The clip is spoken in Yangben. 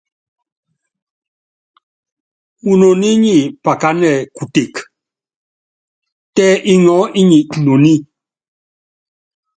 Munoní nyi pakánɛ kutek, tɛ iŋɔɔ́ inyi inoní.